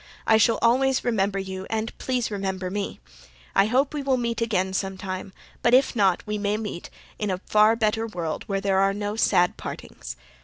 I shall ALWAYS REMEMBER YOU and please remember me. I hope we WILL MEET AGAIN sometime, but if not may we meet in A FAR BETTER WORLD where there are no SAD PARTINGS.